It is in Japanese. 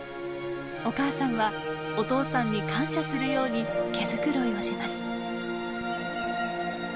お母さんはお父さんに感謝するように毛繕いをします。